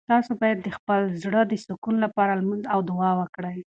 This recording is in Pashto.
تاسو باید د خپل زړه د سکون لپاره لمونځ او دعا وکړئ.